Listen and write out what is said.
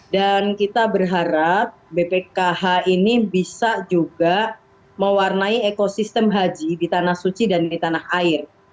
dan kita berharap bpkh ini bisa juga mewarnai ekosistem haji di tanah suci dan di tanah air